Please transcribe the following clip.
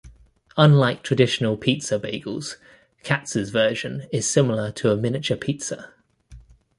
Unlike traditional pizza bagels, Katz' version is similar to a miniature pizza.